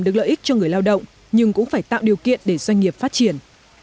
được lợi ích cho người lao động nhưng cũng phải tạo điều kiện để doanh nghiệp phát triển